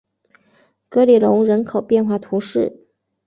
格里隆人口变化图示